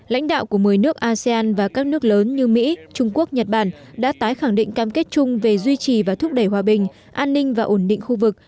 lãnh đạo của một mươi nước asean và các nước lớn như mỹ trung quốc nhật bản đã tái khẳng định cam kết chung về duy trì và thúc đẩy hòa bình an ninh và ổn định khu vực